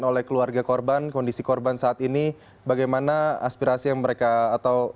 oleh keluarga korban kondisi korban saat ini bagaimana aspirasi yang mereka atau